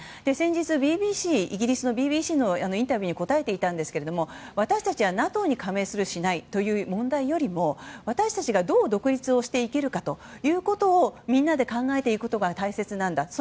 先日、イギリスのＢＢＣのインタビューに答えていたんですが私たちはＮＡＴＯに加盟するしないという問題よりも私たちがどう独立をしていけるかということをみんなで考えていくことが大切なんだ。